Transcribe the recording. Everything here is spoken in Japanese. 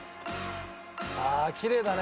ああきれいだね